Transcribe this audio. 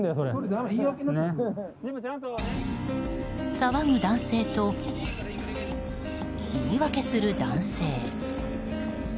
騒ぐ男性と言い訳する男性。